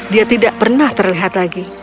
dia tidak pernah terlihat lagi